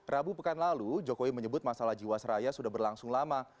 rabu pekan lalu jokowi menyebut masalah jiwasraya sudah berlangsung lama